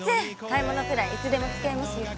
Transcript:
買い物くらいいつでも付き合いますよ。